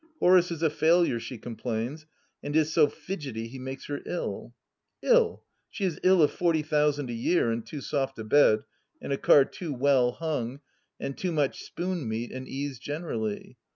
Horace is a failure, she complains, and is so fidgety he makes her ill. Ill ! She is ill of forty thousand a year, and too soft a bed, and a car too well hung, and too much spoon meat and ease generally.